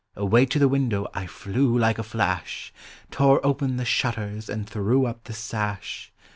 Away to the window I Hew like a flash, Tore open the shutters and threw up the sash.